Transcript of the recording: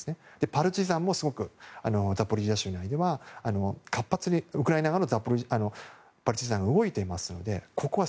パルチザンもすごくザポリージャ州内では活発にウクライナ側のパルチザンが動いています。